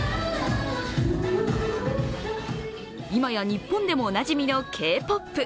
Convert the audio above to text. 今や日本でもおなじみのＫ−ＰＯＰ。